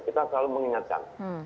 kita selalu mengingatkan